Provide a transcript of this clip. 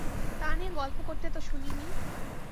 তা নিয়ে গল্প করতে তো শুনি নি।